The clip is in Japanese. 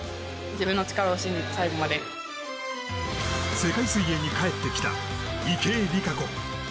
世界水泳に帰ってきた池江璃花子。